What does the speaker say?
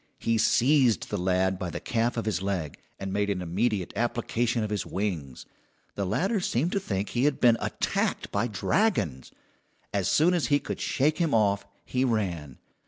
He seized the lad by the calf of his leg, and made an immediate application of his wings. The latter seemed to think he had been attacked by dragons. As soon as he could shake him off he ran.